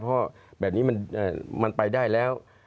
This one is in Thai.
เพราะแบบนี้มันไปได้แล้ว